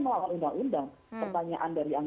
itu kan melalui undang undang